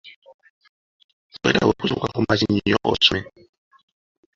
Weetaaga okuzuukuka ku makya ennyo osome.